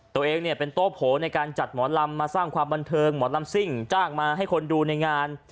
ตัวเองเนี่ยเป็นโต๊โผในการจัดหมอลำมาสร้างความบันเทิงหมอลำซิ่งจ้างมาให้คนดูในงาน